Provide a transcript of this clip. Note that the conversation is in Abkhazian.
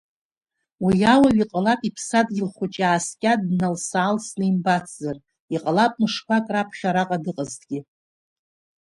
Уи ауаҩ иҟалап иԥсадгьыл хәыҷы ааскьа дналс-аалсны имбацзар, иҟалап мышқәак раԥхьа араҟа дыҟазҭгьы.